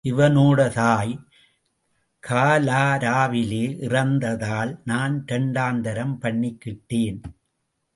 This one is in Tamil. இவனோட தாய் காலராவிலே இறந்த தால், நான் இரண்டாந்தாரம் பண்ணிக்கிட்டேன்.